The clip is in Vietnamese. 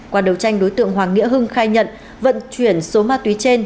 qua đấu tranh đối tượng hoàng nghĩa hưng khai nhận vận chuyển số ma túy trên